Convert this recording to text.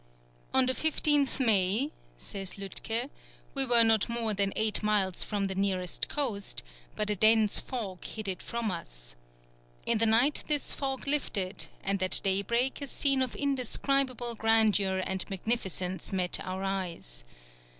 "On the 15th May," says Lütke, "we were not more than eight miles from the nearest coast, but a dense fog hid it from us. In the night this fog lifted, and at daybreak a scene of indescribable grandeur and magnificence met our eyes.